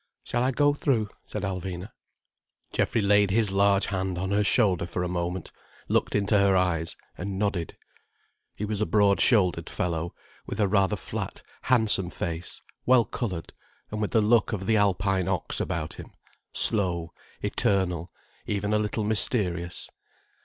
"Shall I go through?" said Alvina. Geoffrey laid his large hand on her shoulder for a moment, looked into her eyes, and nodded. He was a broad shouldered fellow, with a rather flat, handsome face, well coloured, and with the look of the Alpine ox about him, slow, eternal, even a little mysterious.